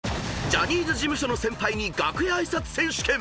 ［ジャニーズ事務所の先輩に楽屋挨拶選手権］